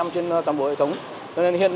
trên toàn bộ hệ thống